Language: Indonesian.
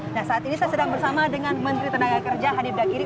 nah saat ini saya sedang bersama dengan menteri tenaga kerja hanif dakiri